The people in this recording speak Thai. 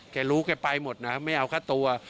แกรู้แกไปหมดนะไม่เอาค่าตัว